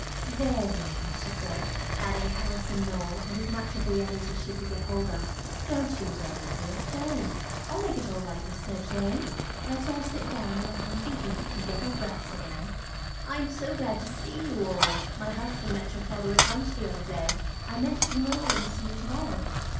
"There, there," she said, patting Alice and Noël and as much of the others as she could get hold of. "Don't you worry, dears, don't. I'll make it all right with Sir James. Let's all sit down in a comfy heap, and get our breaths again. I am so glad to see you all. My husband met your father at lunch the other day. I meant to come over and see you to morrow."